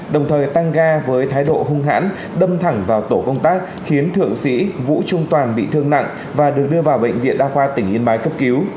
đồng thời tăng ga với thái độ hung hãn đâm thẳng vào tổ công tác khiến thượng sĩ vũ trung toàn bị thương nặng và được đưa vào bệnh viện đa khoa tỉnh yên bái cấp cứu